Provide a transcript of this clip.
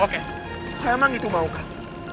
oke kalau emang itu mau kak